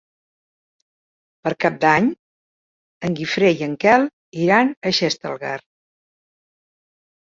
Per Cap d'Any en Guifré i en Quel iran a Xestalgar.